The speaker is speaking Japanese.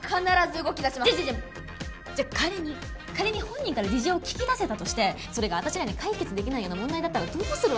じゃあじゃあじゃあじゃあ仮に仮に本人から事情を聞き出せたとしてそれが私らに解決できないような問題だったらどうするわけ？